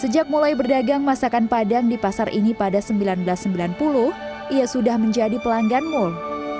sejak mulai berdagang masakan padang di pasar ini pada seribu sembilan ratus sembilan puluh ia sudah menjadi pelanggan mul